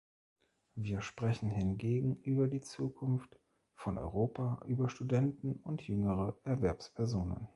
Wir sprechen hingegen über die Zukunft von Europa, über Studenten und jüngere Erwerbspersonen.